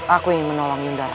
aku ingin menolong yudhara